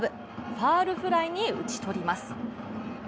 ファウルフライに打ちとります。